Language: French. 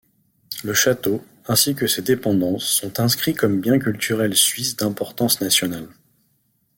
Le château, ainsi que ses dépendances, sont inscrits comme biens culturels suisses d'importance nationale.